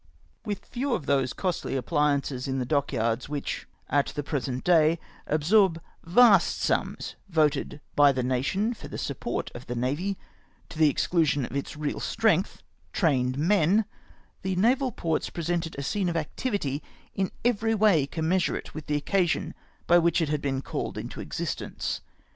With few of those costly apphances in the dockyards which at the present day absorb vast sums voted by the nation for the support of the navy, to the exclusion of its real strength — tramed men — the naval ports pre sented a scene of activity in every way commensurate with the occasion by which it had been called into existence.